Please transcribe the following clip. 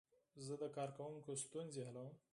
زه د کاروونکو ستونزې حلوم.